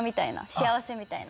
幸せみたいな。